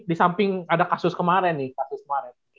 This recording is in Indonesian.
di samping ada kasus kemarin nih kasus kemarin